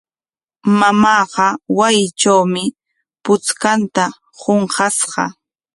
Mamaaqa wasitrawmi puchkanta qunqashqa.